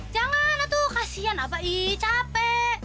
jangan atuh kasihan abah ih capek